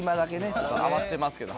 ちょっと合わせてますけど。